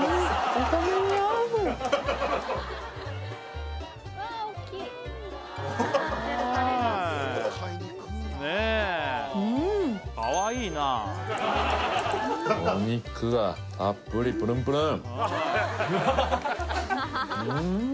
お米に合うお肉がたっぷりプルンプルン